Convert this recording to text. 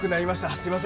すいません。